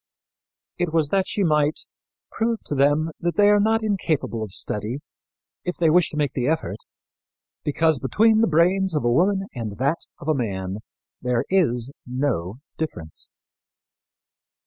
It was that she might "prove to them that they are not incapable of study, if they wish to make the effort, because between the brain of a woman and that of a man there is no difference."